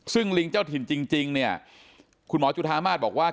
ซึ่งลิงเจ้าถิ่นจริงเนี่ยคุณหมอจุธามาศบอกว่า